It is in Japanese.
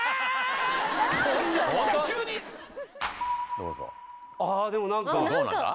どうぞああでも何かどうなんだ？